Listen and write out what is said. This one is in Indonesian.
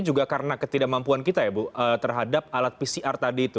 juga karena ketidakmampuan kita terhadap alat pcr tadi itu